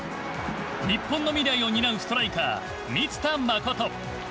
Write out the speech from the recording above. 日本の未来を担うストライカー満田誠。